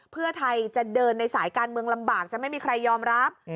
เพื่อไทยจะเดินในสายการเมืองลำบากจะไม่มีใครยอมรับ